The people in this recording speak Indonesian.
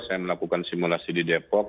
saya melakukan simulasi di depok